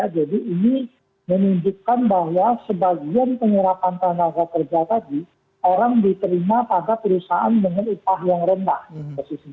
jadi ini menunjukkan bahwa sebagian pengirapan tanah kerja tadi orang diterima pada perusahaan dengan upah yang rendah